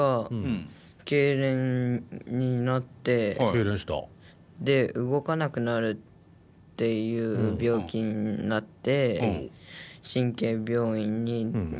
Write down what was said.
けいれんした？で動かなくなるっていう病気になって神経病院に行った。